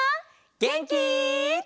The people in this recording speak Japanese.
げんき？